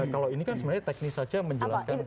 kalau ini kan sebenarnya teknis saja menjelaskan